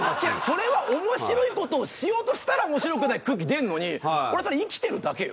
それは面白い事をしようとしたら面白くない空気出るのに俺ただ生きてるだけよ。